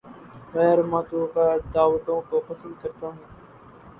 غیر متوقع دعوتوں کو پسند کرتا ہوں